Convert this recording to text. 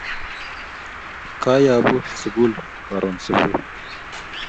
Kayabu sukul karon subui